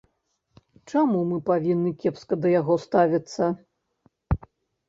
Чаму мы павінны кепска да яго ставіцца?